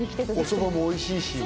おそばもおいしいし。